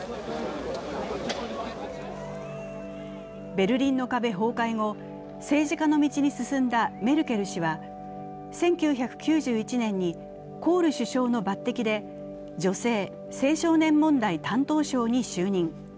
ベルリンの壁崩壊後、政治家の道に進んだメルケル氏は、１９９１年にコール首相の抜擢で女性・青少年問題担当相に就任。